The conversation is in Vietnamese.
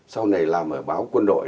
sau này làm ở báo quân đội